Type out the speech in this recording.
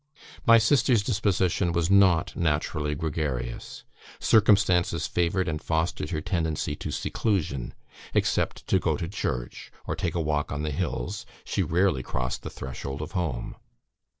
My sister's disposition was not naturally gregarious: circumstances favoured and fostered her tendency to seclusion; except to go to church, or take a walk on the hills, she rarely crossed the threshold of home.